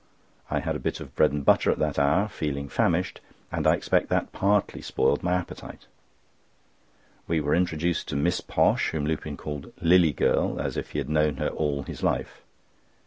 I had a bit of bread and butter at that hour, feeling famished, and I expect that partly spoiled my appetite. We were introduced to Miss Posh, whom Lupin called "Lillie Girl," as if he had known her all his life.